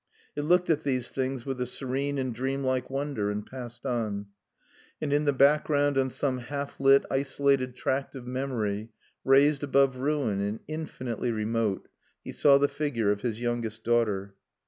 It looked at these things with a serene and dreamlike wonder and passed on. And in the background, on some half lit, isolated tract of memory, raised above ruin, and infinitely remote, he saw the figure of his youngest daughter.